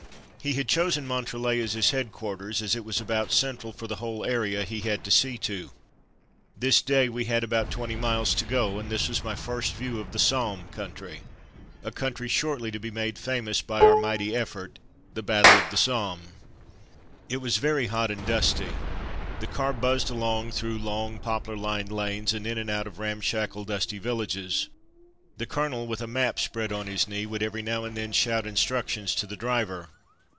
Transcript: He had chosen Montrelet as his head quarters, as it was about central for the whole area he had to see to. A Typical Day^s Programme 109 This day we had about twenty miles to go, and this was my first view of the Somme country, a country shortly to be made famous by our mighty effort, ''The Battle of the Somme/' It was very hot and dusty. The car buzzed along through long poplar lined lanes, and in and out of ramshackle dusty villages. The colonel, with a map spread on his knee, would every now and then shout instructions to the driver.